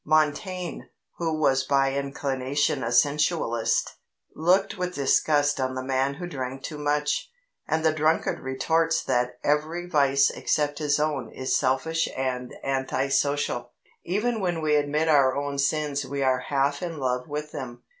Montaigne, who was by inclination a sensualist, looked with disgust on the man who drank too much, and the drunkard retorts that every vice except his own is selfish and anti social. Even when we admit our own sins we are half in love with them.